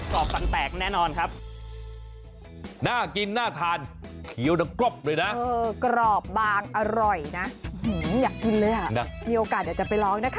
กรอบตังแตกแน่นอนครับ